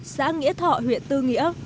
xã nghĩa thọ huyện tư nghĩa